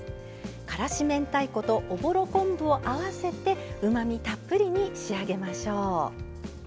からし明太子とおぼろ昆布を合わせてうまみたっぷりに仕上げましょう。